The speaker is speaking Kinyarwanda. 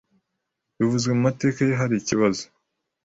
bivuzwe mu mateka ye harikibazo